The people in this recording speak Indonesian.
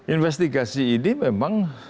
investigasi ini memang